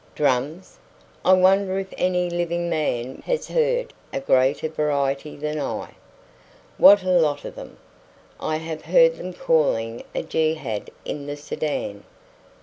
"Drums! I wonder if any living man has heard a greater variety than I? What a lot of them! I have heard them calling a jehad in the Sudan.